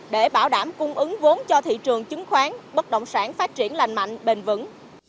để bảo đảm cung ứng vốn cho thị trường chứng khoán bất động sản phát triển lành mạnh bền vững